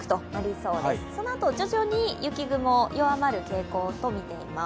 そのあと徐々に雪雲、弱まる傾向とみています。